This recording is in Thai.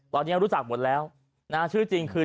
ตอนนี้รู้จักหมดแล้วนะชื่อจริงคือ